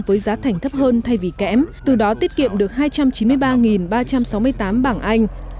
với giá thành thấp hơn thay vì kém từ đó tiết kiệm được hai trăm chín mươi ba ba trăm sáu mươi tám bảng anh